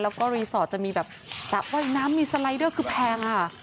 แล้วก็รีสอร์ทจะมีแบบสระว่ายน้ำมีสไลเดอร์คือแพงค่ะ